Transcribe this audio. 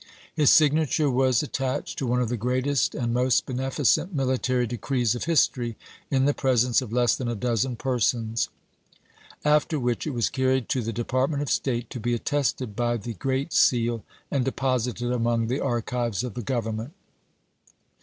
His signature was at tached to one of the greatest and most beneficent military decrees of history in the presence of less than a dozen persons ; after which it was carried to the Department of State to be attested by the 430 ABRAHAM LINCOLN CHAP. XIX. great seal and deposited among the arcHves of the Grovernment.